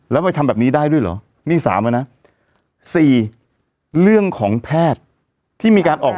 แล้วไปทำแบบนี้ได้ด้วยเหรอนี่สามแล้วนะสี่เรื่องของแพทย์ที่มีการออก